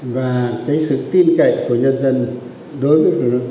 và cái sự tin cậy của nhân dân đối với trung ương